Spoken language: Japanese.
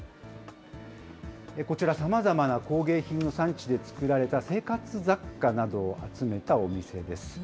こちら、さまざまな工芸品の産地で作られた、生活雑貨などを集めたお店です。